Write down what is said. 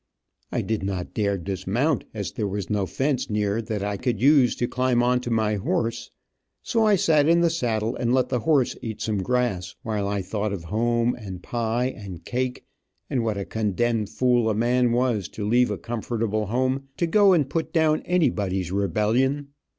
I did not dare dismount, as there was no fence near that I could use to climb on to my horse, so I sat in the saddle and let the horse eat some grass, while I thought of home, and pie and cake, and what a condemned fool a man was to leave a comfortable home to go and put down anybody's rebellion.